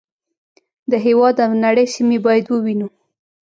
د هېواد او نړۍ سیمې باید ووینو.